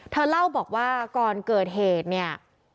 เธอเล่าบอกว่าก่อนเกิดเหตุเนี่ย